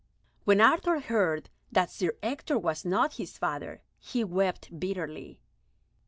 When Arthur heard that Sir Ector was not his father, he wept bitterly.